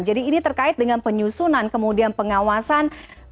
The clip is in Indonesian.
jadi ini terkait dengan penyusunan kemudian pengawasan bpom